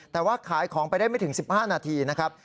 แต่ว่าขายของไปได้ไม่ถึง๑๕นาทีนะครับ